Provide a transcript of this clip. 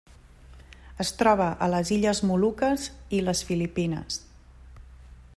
Es troba a les Illes Moluques i les Filipines.